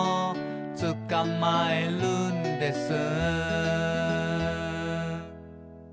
「つかまえるんです」